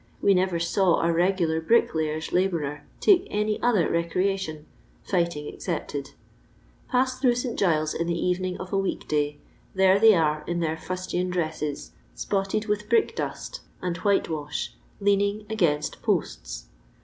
We never saw a regular brickkyer's labourer take any other recreation, fighting excepted. Pass through St. Giles'a in the evening of a week day, there they are in their fuatian dreaaea, apotted with brick dust and whitewaah, leaning againat poata.